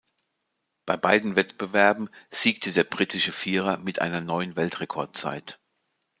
Bei beiden Wettbewerben siegte der britische Vierer mit einer neuen Weltrekordzeit.